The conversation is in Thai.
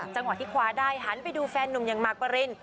จังหวะที่คว้าได้หันไปดูแฟนนุ่มอย่างมากปริน